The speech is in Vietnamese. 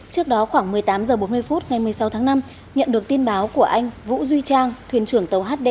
trước đó khoảng một mươi tám h bốn mươi phút ngày một mươi sáu tháng năm nhận được tin báo của anh vũ duy trang thuyền trưởng tàu hd tám nghìn chín trăm tám mươi chín